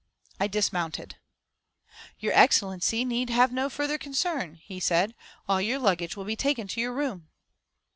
I dismounted. "Your Excellency need have no further concern," he said; "all your luggage will be taken to your room."